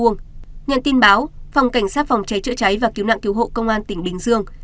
nhận tin báo phòng cảnh sát phòng cháy chữa cháy và cứu nạn cứu hộ công an tỉnh bình dương